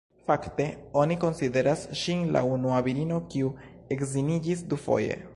Fakte, oni konsideras ŝin la unua virino kiu edziniĝis dufoje.